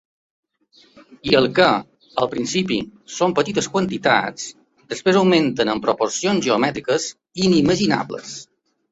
I el que, al principi, són petites quantitats, després augmenten en proporcions geomètriques, inimaginables.